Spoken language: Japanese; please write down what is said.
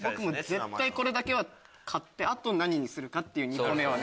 絶対これだけは買ってあと何にするかって２個目は。